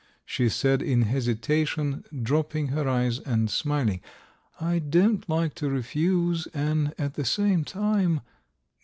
she said, in hesitation, dropping her eyes and smiling. "I don't like to refuse, and at the same time.